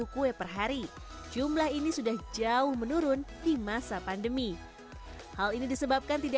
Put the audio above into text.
kue perhari jumlah ini sudah jauh menurun di masa pandemi hal ini disebabkan tidak